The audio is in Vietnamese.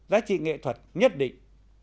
giá trị nghệ thuật nhất định